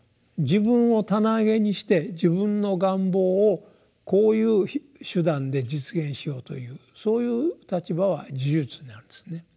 自分を棚上げにして自分の願望をこういう手段で実現しようというそういう立場は「呪術」になるんですね。